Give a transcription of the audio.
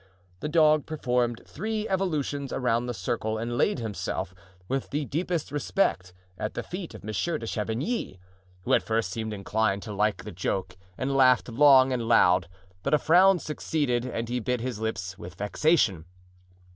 The dog performed three evolutions around the circle and laid himself, with the deepest respect, at the feet of Monsieur de Chavigny, who at first seemed inclined to like the joke and laughed long and loud, but a frown succeeded, and he bit his lips with vexation.